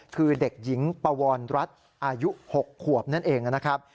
คือเด็กหญิงปวรรัฐอายุ๖ขวบนั่นเองนะครับ